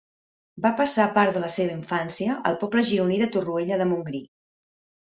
Va passar part de la seva infància al poble gironí de Torroella de Montgrí.